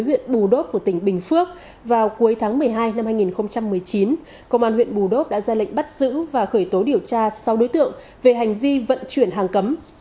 huyện bù đốp của tỉnh bình phước vào cuối tháng một mươi hai năm hai nghìn một mươi chín công an huyện bù đốp đã ra lệnh bắt giữ và khởi tố điều tra sáu đối tượng về hành vi vận chuyển hàng cấm